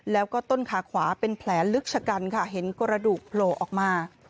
แล้วก็ต้นขาขวาเป็นแผลลึกชะกันค่ะเห็นกระดูกโผล่ออกมา